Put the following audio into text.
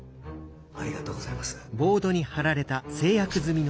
ありがとうございます。